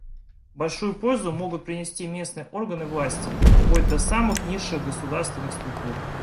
Большую пользу могут принести местные органы власти, вплоть до самых низших государственных структур.